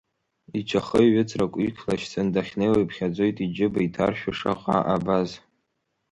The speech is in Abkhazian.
Ичахы иҩыҵрак, иқәлашьцан дахьнеиуа, иԥхьаӡоит иџьыба иҭаршәу шаҟа абаз.